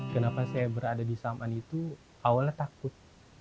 kenapa saya berada di saman itu awalnya takut